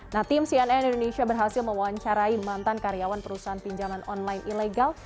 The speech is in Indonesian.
nah tim cnn indonesia berhasil mewawancarai mantan karyawan perusahaan pinjaman online ilegal